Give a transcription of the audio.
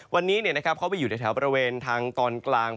วันนี้เขาไปอยู่ในแถวบริเวณทางตอนกลาง